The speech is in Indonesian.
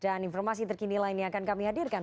dan informasi terkini lainnya akan kami hadirkan